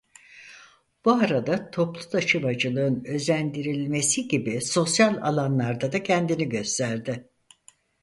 Bu arada toplu taşımacılığın özendirilmesi gibi sosyal alanlarda da kendini gösterdi.